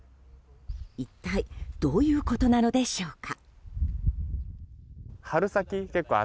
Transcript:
一体どういうことなのでしょうか。